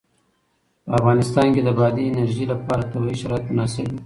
په افغانستان کې د بادي انرژي لپاره طبیعي شرایط مناسب دي.